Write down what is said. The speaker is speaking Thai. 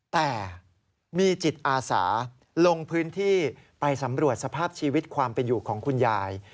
แต่มีจิตอาสาลงพื้นที่ไปสำรวจสภาพชีวิตความเป็นอยู่ของคุณยาย